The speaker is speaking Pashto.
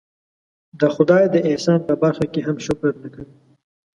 د خدای د احسان په برخه کې هم شکر نه کوي.